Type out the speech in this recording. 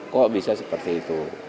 kok bisa seperti itu